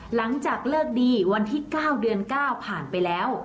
หลังจากเลิกดีวันที่๙เดือน๙ผ่านไปแล้ว